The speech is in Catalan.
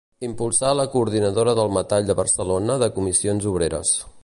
Impulsà la Coordinadora del metall de Barcelona de Comissions Obreres.